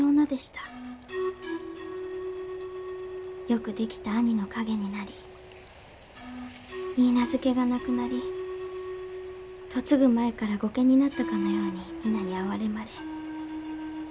よくできた兄の陰になり許嫁が亡くなり嫁ぐ前から後家になったかのように皆に哀れまれ。